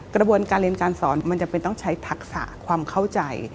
กระบวนการเรียนการสอนมันจำเป็นต้องใช้ทักษะความเข้าใจ